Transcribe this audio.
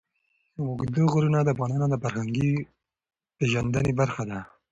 اوږده غرونه د افغانانو د فرهنګي پیژندنې برخه ده.